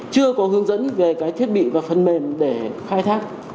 chưa có hướng dẫn về cái thiết bị và phần mềm để khai thác